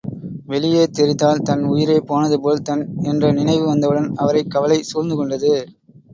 வெளியே தெரிந்தால், தன் உயிரே போனதுபோல் தான் என்ற நினைவு வந்தவுடன், அவரைக் கவலை சூழ்ந்துகொண்டது.